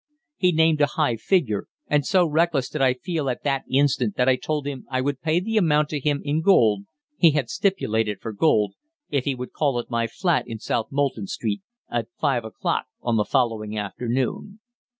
He named a high figure, and so reckless did I feel at that instant that I told him I would pay the amount to him in gold he had stipulated for gold if he would call at my flat in South Molton Street at five o'clock on the following afternoon.